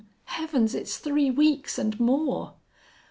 Heavens! it's three weeks and more."